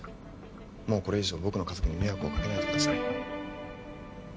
もうこれ以上僕の家族に迷惑をかけないでください